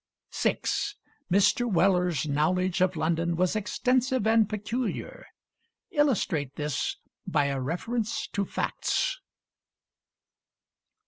6. "Mr. Weller's knowledge of London was extensive and peculiar." Illustrate this by a reference to facts.